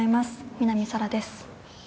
南沙良です。